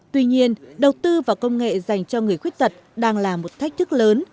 tuy nhiên đầu tư vào công nghệ dành cho người khuyết tật đang là một thách thức lớn